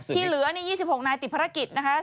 ที่เหลือนี่๒๖นายติดภารกิจนะคะ